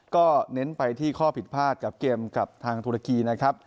ก็เน้นไปที่ข้อผิดพลาดกับเกมกับทางธุรกีนะครับ